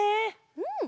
うん！